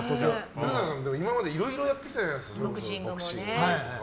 鶴太郎さん、今までいろいろやってきたじゃないですかボクシングとか。